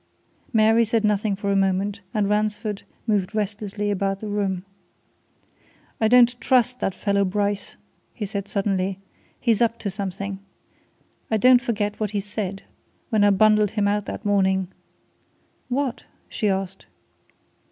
Mary said nothing for a moment, and Ransford moved restlessly about the room. "I don't trust that fellow Bryce," he said suddenly. "He's up to something. I don't forget what he said when I bundled him out that morning." "What?" she asked.